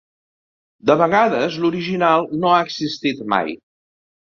De vegades l'original no ha existit mai.